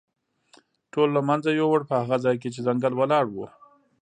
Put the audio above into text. ټول له منځه یووړ، په هغه ځای کې چې ځنګل ولاړ و.